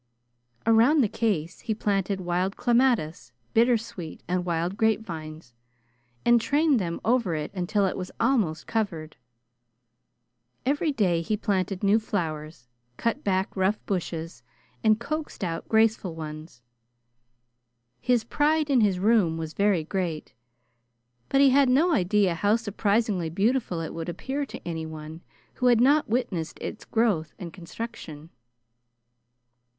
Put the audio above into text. Around the case he planted wild clematis, bittersweet, and wild grapevines, and trained them over it until it was almost covered. Every day he planted new flowers, cut back rough bushes, and coaxed out graceful ones. His pride in his room was very great, but he had no idea how surprisingly beautiful it would appear to anyone who had not witnessed its growth and construction.